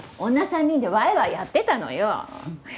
女３人でワイワイやってたのよ。